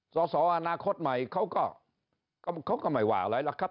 ต่ออนาคตใหม่เขาก็ไม่ว่าอะไรละครับ